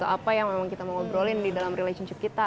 apa yang memang kita mau ngobrolin di dalam relationship kita